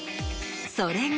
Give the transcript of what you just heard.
それが。